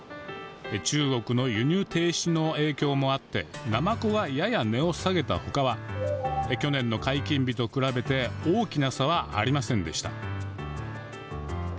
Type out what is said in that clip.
中国の輸入停止の影響もあってナマコがやや値を下げた他は去年の解禁日と比べて大きな差はありませんでした。